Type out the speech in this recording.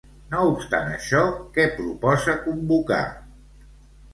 No obstant això, què proposa convocar?